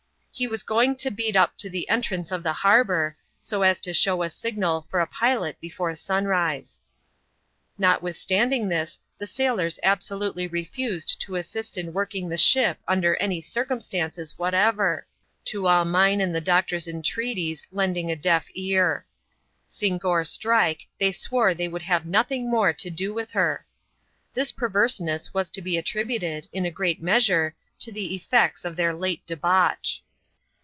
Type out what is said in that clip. He was going to beat up to the entrance of the harbour, so as to show a signal for a pilot before sunrise. Notwithstanding this, the sailors absolutely refused to assist in working the ship under any circumstances whatever : to all mine and the doctor's entreaties lending a deaf ear. Sink or strike, they swore they would have nothing more to do with her. This perverseness was to be attributed, in a great measure, to the effects of their late debauch.